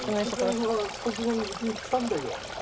取材が突然うちに来たんだよ。